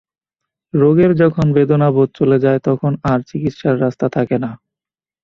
রোগের যখন বেদনাবোধ চলে যায় তখন আর চিকিৎসার রাস্তা থাকে না।